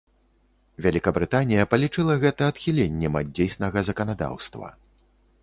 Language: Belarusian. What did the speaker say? Вялікабрытанія палічыла гэта адхіленнем ад дзейснага заканадаўства.